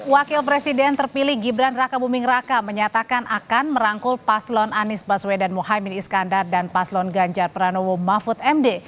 wakil presiden terpilih gibran raka buming raka menyatakan akan merangkul paslon anies baswedan mohaimin iskandar dan paslon ganjar pranowo mahfud md